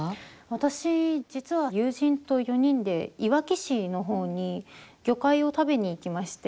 私、実は友人と４人でいわき市の方に魚介を食べに行きまして。